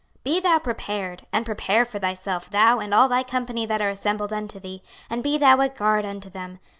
26:038:007 Be thou prepared, and prepare for thyself, thou, and all thy company that are assembled unto thee, and be thou a guard unto them.